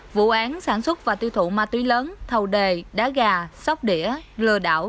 vụ án sản xuất và tiêu thụ ma túy lớn thầu đề đá gà sóc đĩa lừa đảo